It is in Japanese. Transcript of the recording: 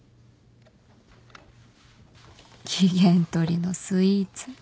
機嫌取りのスイーツ